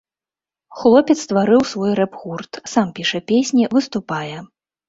Хлопец стварыў свой рэп-гурт, сам піша песні, выступае.